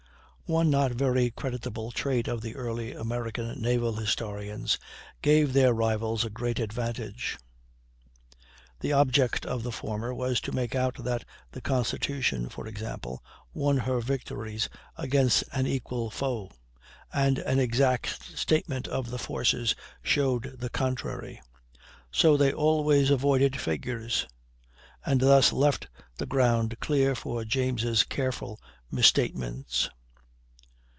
One not very creditable trait of the early American naval historians gave their rivals a great advantage. The object of the former was to make out that the Constitution, for example, won her victories against an equal foe, and an exact statement of the forces showed the contrary; so they always avoided figures, and thus left the ground clear for James' careful misstatements.